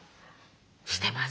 してます。